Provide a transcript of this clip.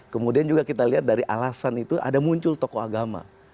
kemudian juga kita lihat dari alasan itu ada muncul tokoh agama